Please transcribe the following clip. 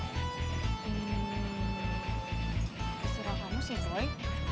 pesurah kamu sih boy